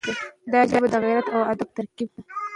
دا ژبه د غیرت او ادب ترکیب دی.